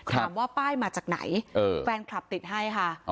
ถามว่าป้ายมาจากไหนเออแฟนคลับติดให้ค่ะอ๋อ